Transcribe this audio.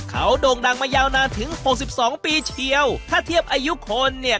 เขาโด่งดังมายาวนานถึงหกสิบสองปีเชียวถ้าเทียบอายุคนเนี่ย